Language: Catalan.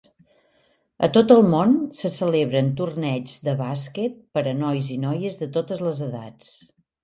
A tot el món se celebren torneigs de bàsquet per a nois i noies de totes les edats.